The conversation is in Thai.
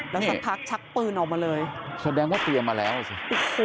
แล้วสักพักชักปืนออกมาเลยแสดงว่าเตรียมมาแล้วอ่ะสิ